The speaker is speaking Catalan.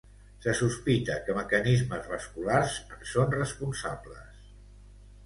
Se sospita que mecanismes vasculars en són responsables.